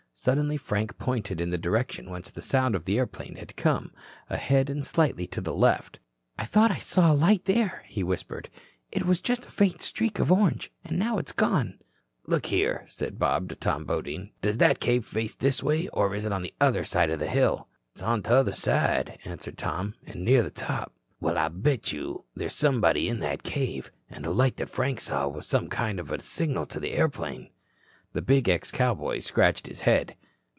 Suddenly Frank pointed in the direction whence the sound of the airplane had come, ahead and slightly to the left. "I thought I saw a light there," he whispered. "It was just a faint streak of orange. Now it's gone." "Look here," said Bob to Tom Bodine, "does that cave face this way or is it on the other side of a hill?" "It's on t'other side," answered Tom, "an' near the top." "Well, I'll bet you there's somebody in that cave. And the light that Frank saw was some kind of a signal to the airplane." The big ex cowboy scratched his head.